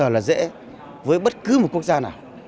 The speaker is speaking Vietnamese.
rõ ràng là dễ với bất cứ một quốc gia nào